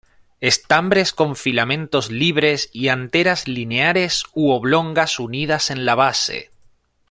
Estambres con filamentos libres y anteras lineares u oblongas unidas en la base.